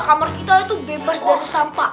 kamar kita itu bebas dari sampah